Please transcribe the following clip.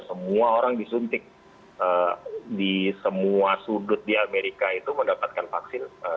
semua orang disuntik di semua sudut di amerika itu mendapatkan vaksin